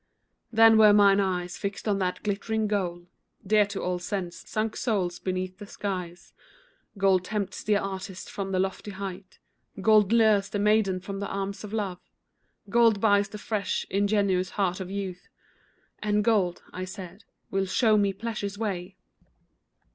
Then were mine eyes fixed on that glittering goal, Dear to all sense—sunk souls beneath the skies. Gold tempts the artist from the lofty height, Gold lures the maiden from the arms of Love, Gold buys the fresh, ingenuous heart of youth, "And gold," I said, "will show me Pleasure's way."